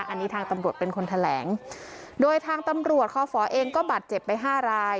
อันนี้ทางตำรวจเป็นคนแถลงโดยทางตำรวจคอฝเองก็บาดเจ็บไปห้าราย